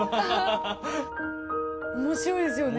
面白いですよね。